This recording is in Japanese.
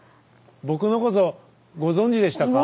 僕のことご存じでしたか？